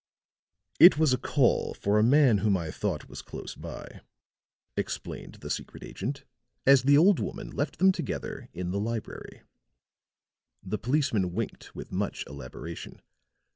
"It was a call for a man whom I thought was close by," explained the secret agent, as the old woman left them together in the library. The policeman winked with much elaboration.